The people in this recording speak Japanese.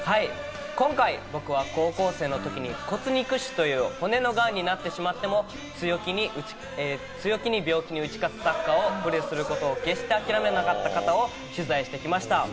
今回、僕は高校生のときに骨肉腫という骨のがんになってしまっても、強気に病気に打ち勝つ、サッカーをプレーすることを決して諦めなかった方を取材してきました。